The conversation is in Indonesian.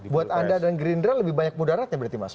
buat anda dan gerindra lebih banyak mudaratnya berarti mas